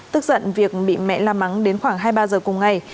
tức giận việc bị mẹ la mắng đến khoảng hai mươi ba giờ cùng ngày